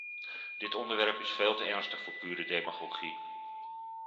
Dit onderwerp is veel te ernstig voor pure demagogie.